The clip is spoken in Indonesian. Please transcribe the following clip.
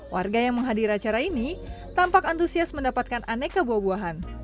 warga yang menghadiri acara ini tampak antusias mendapatkan aneka buah buahan